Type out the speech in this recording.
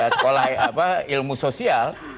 sekolah apa ilmu sosial